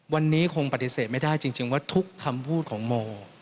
วันนี้คงปฏิเสธไม่ได้จริงว่าทุกคำพูดของโม